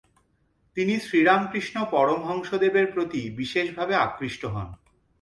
তিনি শ্রীরামকৃষ্ণ পরমহংসদেবের প্রতি বিশেষভাবে আকৃষ্ট হন।